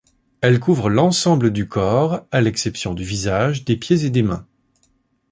Elle couvre l’ensemble du corps à l’exception du visage, des pieds et des mains.